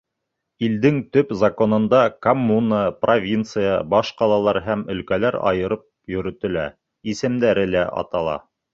Илдең Төп законында коммуна, провинция, баш ҡалалар һәм өлкәләр айырып йөрөтөлә, исемдәре лә атала.